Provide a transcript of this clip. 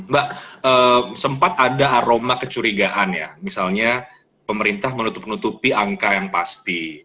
mbak sempat ada aroma kecurigaan ya misalnya pemerintah menutup nutupi angka yang pasti